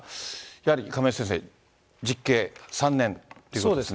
やはり亀井先生、実刑３年ということですね。